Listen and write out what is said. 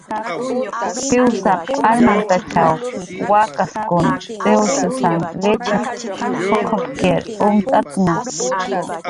Jiwsaq armantachw wakaskun t'iwrshusan lichis juqupkir umt'ktna